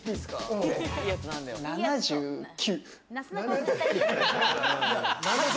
７９。